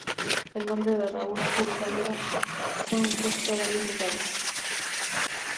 El nombre de Raúl Uranga fue impuesto a varios lugares.